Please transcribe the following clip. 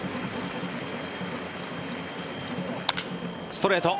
ストレート。